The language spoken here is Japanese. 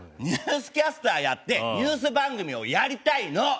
ニュースキャスターやってニュース番組をやりたいの！